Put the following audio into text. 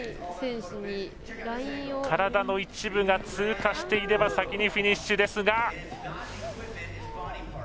体の一部が通過していれば先にフィニッシュです。